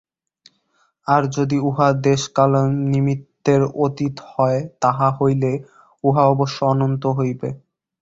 আর যদি উহা দেশকালনিমিত্তের অতীত হয়, তাহা হইলে উহা অবশ্য অনন্ত হইবে।